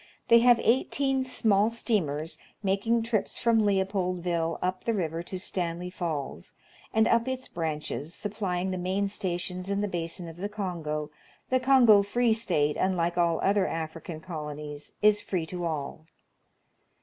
They have eighteen small steamers making trips from Leopoldville up the river to Stanley Falls, and up its branches, supplying the main stations in the basin of the Kongo, The Kongo Free State, unlike all other African colonies, is free to all.